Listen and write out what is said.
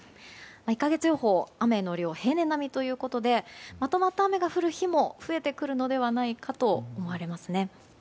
１か月予報雨の量、平年並みということでまとまった雨が降る日も増えてくるのではないかと思われますね。